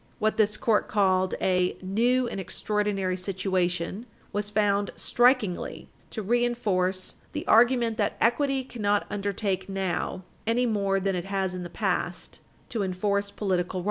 What this Court called a "new and extraordinary situation" was found "strikingly" to reinforce "the argument that equity cannot undertake now, any more than it has in the past, to enforce political rights."